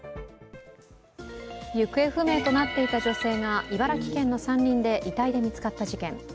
行方不明となっていた女性が茨城県の山林で遺体で見つかった事件。